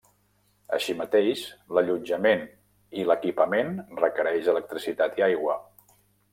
Així mateix, l'allotjament i l'equipament requereix electricitat i aigua.